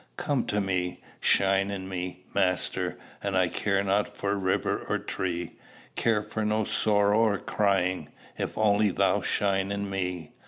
Come to me, shine in me, Master, And I care not for river or tree, Care for no sorrow or crying, If only thou shine in me.